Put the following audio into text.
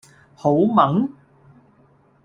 好炆？